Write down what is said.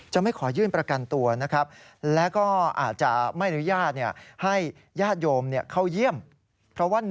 จะไม่ขอยื่นประกันตัวนะครับ